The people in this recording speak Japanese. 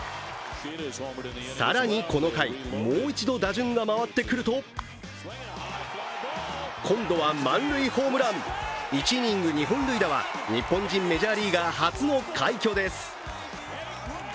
更に、この回、もう一度打順が回ってくると今度は満塁ホームラン１イニング２本塁打は日本人メジャーリーガー初の快挙です。